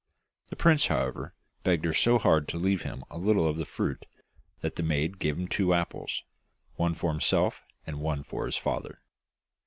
The prince, however, begged her so hard to leave him a little of the fruit that the maiden gave him two apples, one for himself and one for his father.